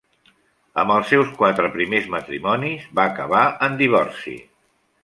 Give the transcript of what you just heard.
Amb els seus quatre primers matrimonis va acabar en divorci.